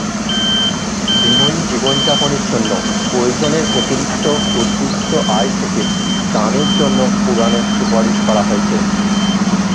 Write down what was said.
বিনয়ী জীবনযাপনের জন্য প্রয়োজনের অতিরিক্ত উদ্বৃত্ত আয় থেকে দানের জন্য পুরাণে সুপারিশ করা হয়েছে।